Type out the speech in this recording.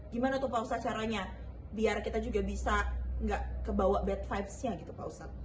gimana tuh pak ustadz caranya biar kita juga bisa gak kebawa bad vibes nya gitu pak ustadz